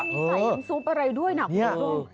มีใส่ยังซุปอะไรด้วยนะคุณจูด้ง